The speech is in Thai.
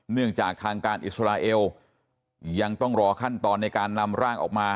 เนื่องจากทางการอิสราเอลยังต้องรอขั้นตอนในการนำร่างออกมา